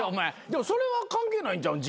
でもそれは関係ないんちゃう？